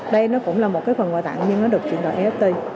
đây nó cũng là một cái phần quả tặng nhưng nó được chuyển đổi nft